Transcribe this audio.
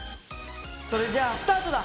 それじゃあスタートだ！